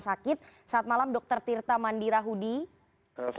yang saat ini kabarnya ataupun informasinya sedang dirawat di salah satu tempat